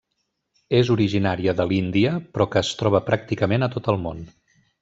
És originària de l'Índia, però que es troba pràcticament a tot el món.